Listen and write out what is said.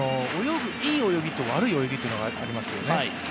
いい泳ぎと悪い泳ぎがありますよね。